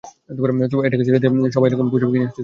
এটাকে ছেড়ে দিলে, সবাই এরকম পশুপাখি নিয়ে আসতে শুরু করবে।